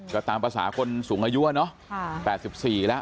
ก็ตามภาษาคนสูงอายุอะเนาะ๘๔แล้ว